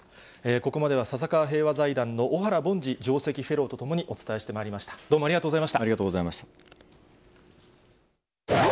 ここまでは、笹川平和財団の小原凡司上席フェローと共にお伝えしてまいりまし三井アウトレットパーク！で！